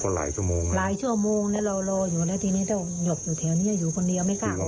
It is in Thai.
หลายชั่วโมงหลายชั่วโมงแล้วเรารออยู่แล้วทีนี้ต้องหลบอยู่แถวนี้อยู่คนเดียวไม่กล้าออก